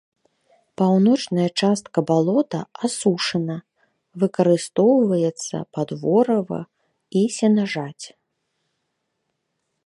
Паўночная частка балота асушана, выкарыстоўваецца пад ворыва і сенажаць.